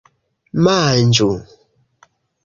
Manĝu!